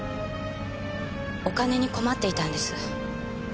お金に困っていたんです。